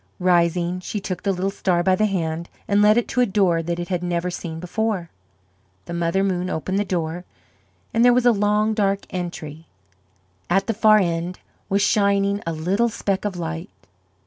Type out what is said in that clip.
Rising, she took the little star by the hand and led it to a door that it had never seen before. The Mother Moon opened the door, and there was a long dark entry; at the far end was shining a little speck of light.